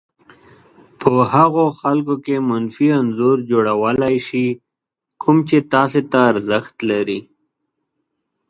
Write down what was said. په هغو خلکو کې منفي انځور جوړولای شي کوم چې تاسې ته ارزښت لري.